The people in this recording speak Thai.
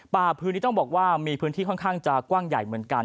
พื้นที่ต้องบอกว่ามีพื้นที่ค่อนข้างจะกว้างใหญ่เหมือนกัน